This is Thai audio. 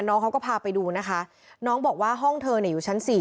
น้องเขาก็พาไปดูนะคะน้องบอกว่าห้องเธออยู่ชั้น๔